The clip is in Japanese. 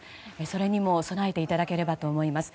それにも備えていただければと思います。